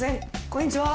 こんにちは。